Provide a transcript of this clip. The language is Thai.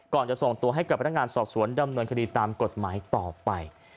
จะส่งตัวให้กับพนักงานสอบสวนดำเนินคดีตามกฎหมายต่อไป